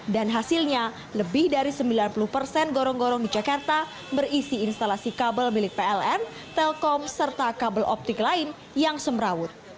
dan hasilnya lebih dari sembilan puluh persen gorong gorong di jakarta berisi instalasi kabel milik pln telkom serta kabel optik lain yang semraut